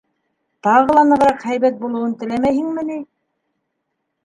Тағы ла нығыраҡ һәйбәт булыуын теләмәйһеңме ни?